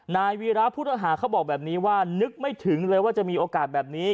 นายวีระผู้ต้องหาเขาบอกแบบนี้ว่านึกไม่ถึงเลยว่าจะมีโอกาสแบบนี้